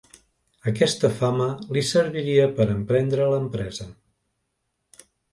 Aquesta fama li serviria per emprendre l'empresa.